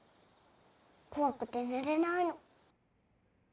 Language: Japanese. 怖くて寝れないの。